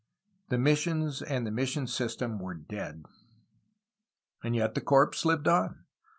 The missions and the mission system were dead. And yet the corpse lived on.